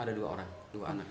ada dua orang dua anak